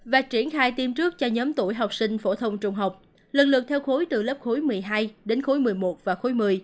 và triển khai tiêm trước cho nhóm tuổi học sinh phổ thông trung học lần lượt theo khối từ lớp khối một mươi hai đến khối một mươi một và khối một mươi